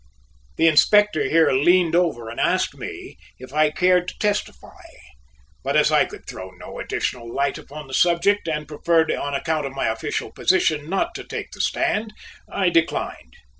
The Inspector here leaned over and asked me if I cared to testify, but as I could throw no additional light upon the subject and preferred on account of my official position not to take the stand, I declined.